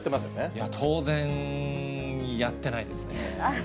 いや、当然やってないですね。